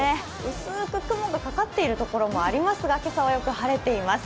薄く雲がかかっているところもありますが、今朝はよく晴れています。